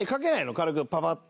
軽くパパッと。